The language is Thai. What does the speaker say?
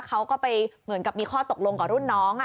เขาก็ไปเหมือนกับมีข้อตกลงกับรุ่นน้อง